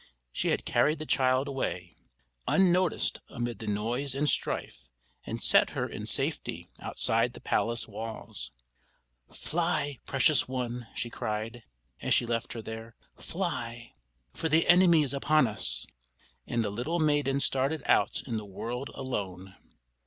She had carried the child away, unnoticed amid the noise and strife, and set her in safety outside the palace walls. "Fly, precious one!" she cried, as she left her there. "Fly! for the enemy is upon us!" And the little maiden started out in the world alone.